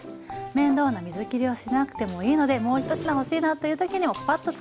面倒な水きりをしなくてもいいのでもう１品欲しいなという時にもパッとつくれます。